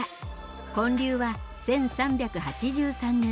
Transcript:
建立は１３８３年。